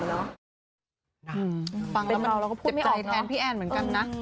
ฟังแล้วมันเจ็บใจในทางพี่แอนน์เหมือนกัน